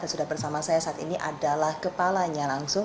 dan sudah bersama saya saat ini adalah kepalanya langsung